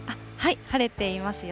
晴れていますよ。